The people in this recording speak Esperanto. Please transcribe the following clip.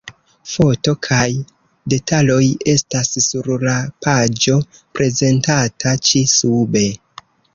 Foto kaj detaloj estas sur la paĝo prezentata ĉi-sube.